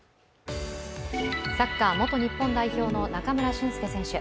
サッカー元日本代表の中村俊輔選手。